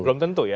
belum tentu ya